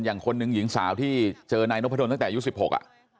อย่างคนหนึ่งหญิงสาวที่เจอนายน้องพะดนตั้งแต่ยุคสิบหก